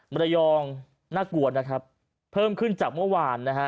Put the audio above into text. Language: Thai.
ระยองน่ากลัวนะครับเพิ่มขึ้นจากเมื่อวานนะฮะ